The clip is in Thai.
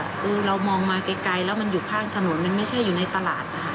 คือเรามองมาไกลแล้วมันอยู่ข้างถนนไม่อยู่ในตลาด